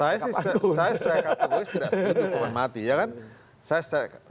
saya sih saya kata gue tidak setuju hukuman mati